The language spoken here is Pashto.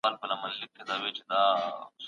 که تعصب وي نو حقیقت پټ پاتې کیږي.